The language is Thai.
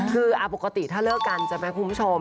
คือปกติถ้าเลิกกันใช่ไหมคุณผู้ชม